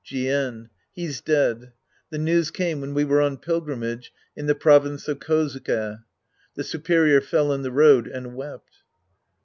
Jien. He's dead. The news came when we were on pilgrimage in the province of Kozuke. The supe rior fell in the road and wept.